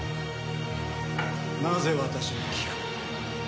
なぜ私に聞く？